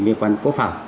liên quan đến quốc phòng